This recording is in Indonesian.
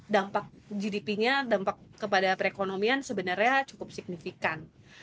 dampak gdp nya dampak kepada perekonomian sebenarnya cukup signifikan